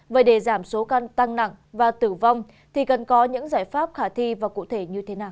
vậy để giảm số căn tăng nặng và tử vong thì cần có những giải pháp khả thi và cụ thể như thế nào